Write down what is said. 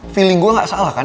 feeling gue gak salah kan